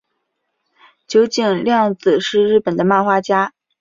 九井谅子是日本的漫画家。